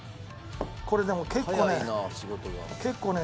これでも結構ね結構ね。